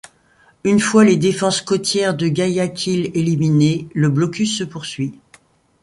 Une fois les défenses côtières de Guayaquil éliminées, le blocus se poursuit.